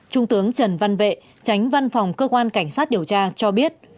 trung tướng trần văn vệ tránh văn phòng cơ quan cảnh sát điều tra cho biết